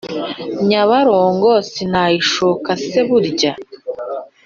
Nyabarongo sinayishoka se burya